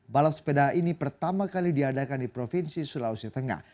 balap sepeda ini pertama kali diadakan di provinsi sulawesi tengah